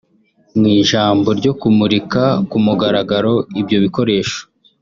Mu ijambo ryo kumurika ku mugaragaro ibyo bikoresho